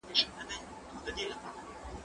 هغه څوک چي کالي وچوي منظم وي!.